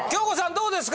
どうですか？